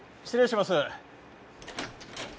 失礼します。